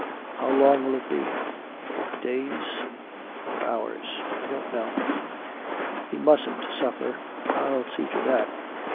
"How long will it be?" "Days or hours I don't know." "He mustn't suffer!" "I'll see to that."